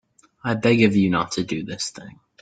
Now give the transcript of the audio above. I beg of you not to do this thing.